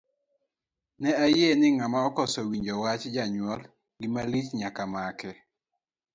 Ne ayie ni ng'ama okoso winjo wach janyuol, gima lich nyaka make.